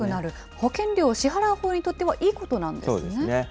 保険料を支払うほうにとってはいそうですね。